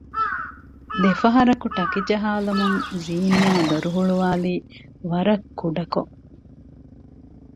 ދެފަހަރަކު ޓަކި ޖަހާލުމުން ޒީނިޔާ ދޮރުހުޅުވާލީ ވަރަށް ކުޑަކޮން